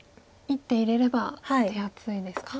１手入れれば手厚いですか。